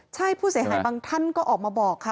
ใช่ผู้เสียหายบางท่านก็ออกมาบอกค่ะ